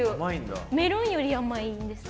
メロンより甘いんです。